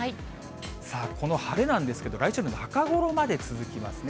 さあ、この晴れなんですけど、来週の中頃まで続きますね。